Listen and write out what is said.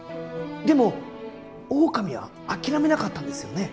でもオオカミは諦めなかったんですよね？